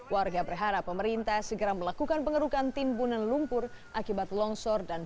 warga berharap pemerintah segera melakukan pengerukan timbunan lumpur akibat longsor dan